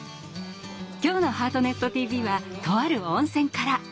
今日の「ハートネットＴＶ」はとある温泉から！